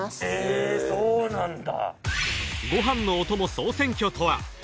ええそうなんだ